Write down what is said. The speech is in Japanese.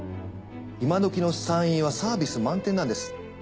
今どきの産院はサービス満点なんです。